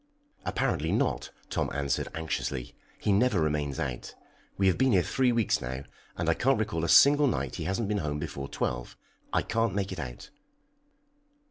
"Apparently not," Tom answered anxiously. "He never remains out. We have been here three weeks now, and I can't recall a single night he hasn't been home before twelve. I can't make it out."